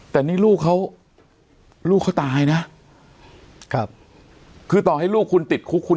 แต่นี่ลูกเขาลูกเขาตายนะครับคือต่อให้ลูกคุณติดคุกคุณ